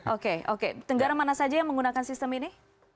oke oke negara mana saja yang menggunakan sistem ini